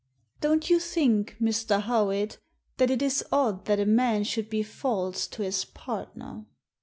Don't you think, Mr. Howitt, that it is odd that a man should be false to his partner?"